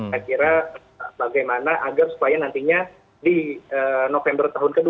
saya kira bagaimana agar supaya nantinya di november tahun kedua